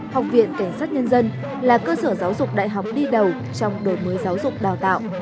học viện cảnh sát nhân dân là cơ sở giáo dục đại học đi đầu trong đổi mới giáo dục đào tạo